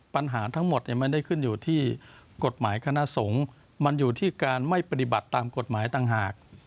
ปัญหาทั้งหมดไม่ได้ขึ้นอยู่ที่กฎหมายคณะสงฆ์มันอยู่ที่การไม่ปฏิบัติตามกฎหมายต่างหาก